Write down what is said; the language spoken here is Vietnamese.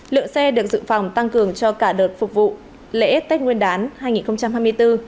lượng xe được dự phòng tăng cường cho cả đợt phục vụ lễ tết nguyên đán hai nghìn hai mươi bốn là hai năm trăm linh xe